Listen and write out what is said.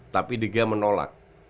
tapi dia menolak